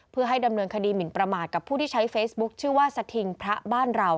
เพื่อให้ดำเนินคดีหมินประมาทกับผู้ที่ใช้เฟซบุ๊คชื่อว่าสถิงพระบ้านเรา